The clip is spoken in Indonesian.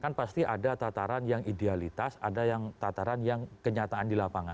kan pasti ada tataran yang idealitas ada yang tataran yang kenyataan di lapangan